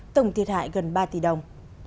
tổng thiệt hại gần ba tỷ đồng